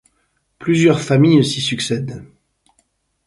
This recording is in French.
Plusieurs familles s’y succèdent.